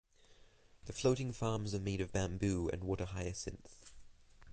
The floating farms are made of bamboo and water hyacinth.